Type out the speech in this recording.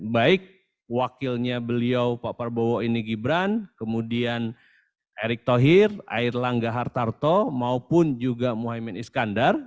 baik wakilnya beliau pak prabowo ini gibran kemudian erick thohir air langga hartarto maupun juga mohaimin iskandar